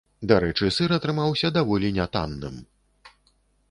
Дарэчы, сыр атрымаўся даволі не танным.